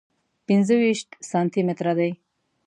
پنځه ویشت سانتي متره دی.